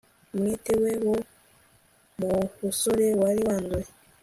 Umwete we wo mu busore wari wanduye